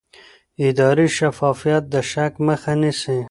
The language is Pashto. اداري شفافیت د شک مخه نیسي